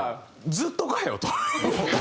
「ずっとかよ！」と。